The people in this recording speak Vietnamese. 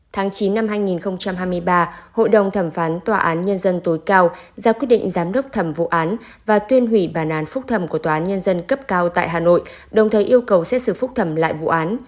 tháng chín năm hai nghìn hai mươi ba hội đồng thẩm phán tòa án nhân dân tối cao ra quyết định giám đốc thẩm vụ án và tuyên hủy bản án phúc thẩm của tòa án nhân dân cấp cao tại hà nội đồng thời yêu cầu xét xử phúc thẩm lại vụ án